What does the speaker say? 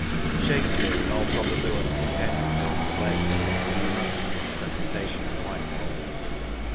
Shakespeare in all probability penned his own play within a few months of its presentation at Whitehall.